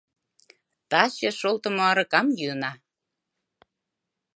Таче шолтымо аракам йӱына.